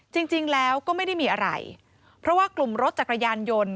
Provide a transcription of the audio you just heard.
จริงแล้วก็ไม่ได้มีอะไรเพราะว่ากลุ่มรถจักรยานยนต์